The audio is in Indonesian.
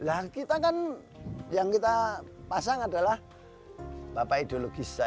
lah kita kan yang kita pasang adalah bapak ideologis